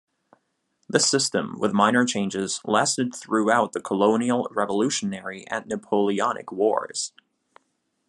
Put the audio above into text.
This system, with minor changes, lasted throughout the colonial, Revolutionary, and Napoleonic Wars.